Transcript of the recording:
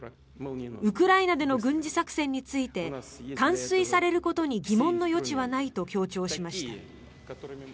ウクライナでの軍事作戦について完遂されることに疑問の余地はないと強調しました。